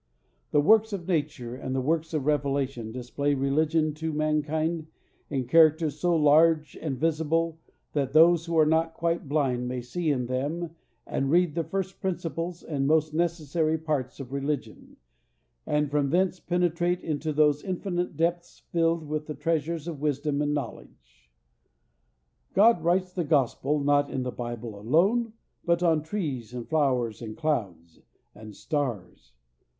The works of nature and the works of revelation display religion to mankind in characters so large and visible that those who are not quite blind may in them see and read the first principles and most necessary parts of religion, and from thence penetrate into those infinite depths filled with the treasures of wisdom and knowledge. God writes the Gospel not in the Bible alone, but on trees and flowers and clouds and stars.